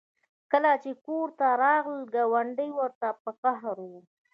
کله چې کور ته راغلل ګاونډۍ ورته په قهر وه